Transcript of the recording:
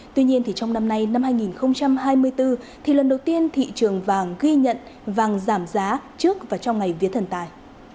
tuy nhiên trong năm nay năm hai nghìn hai mươi bốn thì lần đầu tiên thị trường vàng ghi nhận vàng giảm giá trước và trong ngày vía thần tài